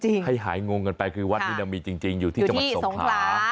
ให้หายงงกันไปคือวัดนี่มันมีจริงอยู่ที่สงขา